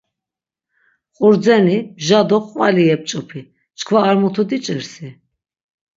Qurdzeni, mja do qvali yep̆ç̆opi, çkva ar mutu diç̆irsi?